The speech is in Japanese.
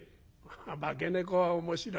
「化け猫は面白いな。